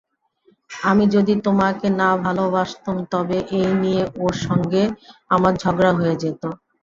আমি যদি তোমাকে না ভালোবাসতুম তবে এই নিয়ে ওর সঙ্গে আমার ঝগড়া হয়ে যেত।